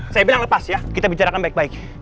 saya bilang lepas ya kita bicarakan baik baik